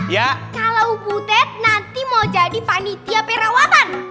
ya kalau butet nanti mau jadi panitia perawatan